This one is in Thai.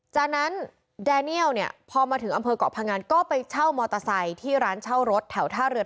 จะนั้นดาเนียวเนี่ยพอมาถึงอ่าเพิ่มกรอกพาการก็ไปเช่ามอเตอร์ไซที่ร้านเช่ารถแถวท่าเดือร์